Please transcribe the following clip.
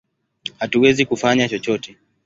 Hatuwezi kufanya chochote!